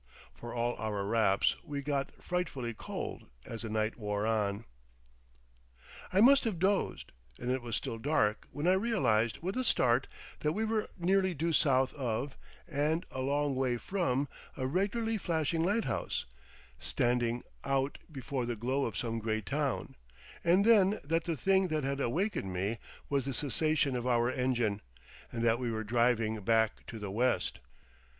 For all our wraps we got frightfully cold as the night wore on. I must have dozed, and it was still dark when I realised with a start that we were nearly due south of, and a long way from, a regularly flashing lighthouse, standing out before the glow of some great town, and then that the thing that had awakened me was the cessation of our engine, and that we were driving back to the west.